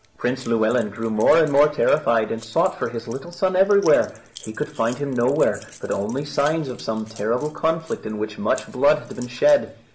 Prince Llewelyn grew more and more terrified, and sought for his little son everywhere. He could find him nowhere but only signs of some terrible conflict in which much blood had been shed.